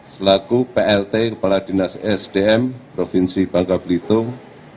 selaku plt kepala dinas sdm provinsi bangka belitung